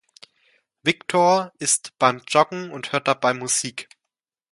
Victor ist beim Joggen und hört dabei Musik.